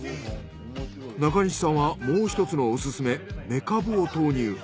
中西さんはもう１つのオススメめかぶを投入。